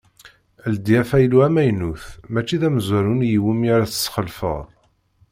Ldi afaylu amaynut mačči d amezwaru-nni iwumi ara tesxelfeḍ.